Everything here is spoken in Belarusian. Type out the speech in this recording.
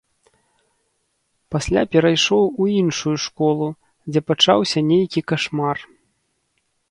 Пасля перайшоў у іншую школу, дзе пачаўся нейкі кашмар.